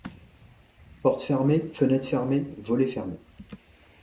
Portes fermées, fenêtres fermées, volets fermés.